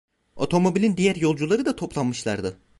Otomobilin diğer yolcuları da toplanmışlardı.